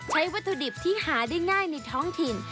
วัตถุดิบที่หาได้ง่ายในท้องถิ่น